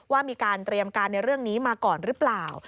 ว่ามีการเตรียมการในเรื่องนี้มาก่อนหรือเปล่า